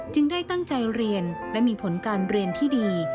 ได้ตั้งใจเรียนและมีผลการเรียนที่ดี